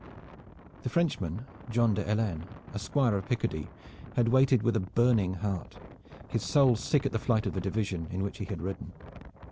The Frenchman, John de Helennes, a squire of Picardy, had waited with a burning heart, his soul sick at the flight of the division in which he had ridden.